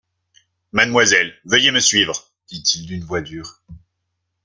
Mademoiselle, veuillez me suivre, dit-il d'une voix dure.